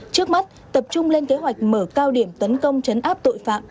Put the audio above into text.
trước mắt tập trung lên kế hoạch mở cao điểm tấn công chấn áp tội phạm